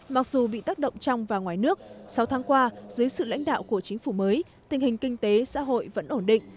mặc dù bị tác động trong và ngoài nước sáu tháng qua dưới sự lãnh đạo của chính phủ mới tình hình kinh tế xã hội vẫn ổn định